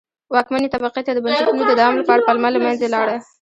واکمنې طبقې ته د بنسټونو د دوام لپاره پلمه له منځه لاړه.